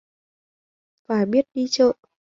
Phải biết đi chợ